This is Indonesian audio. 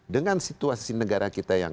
dengan situasi negara kita yang